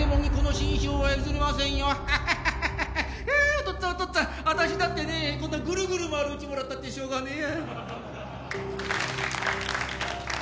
お父っつぁんお父っつぁん私だってねこんなぐるぐる回る家もらったってしょうがねえや。